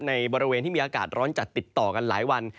ในบริเวณที่มีอากาศร้อนจัดติดต่อกันหลายวัน